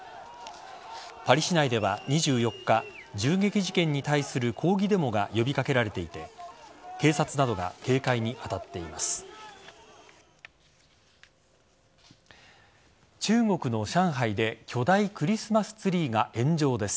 パリ市内では２４日銃撃事件に対する抗議デモが呼び掛けられていて警察などが警戒に当たっています。